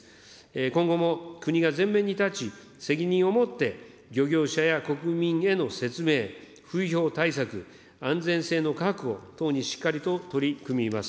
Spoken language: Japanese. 今後も国が前面に立ち、責任をもって漁業者や国民への説明、風評対策、安全性の確保等にしっかりと取り組みます。